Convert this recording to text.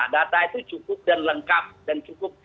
data itu cukup dan lengkap dan cukup